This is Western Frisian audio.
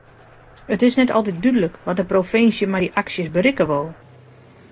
It is net altyd dúdlik wat de provinsje met dy aksjes berikke wol.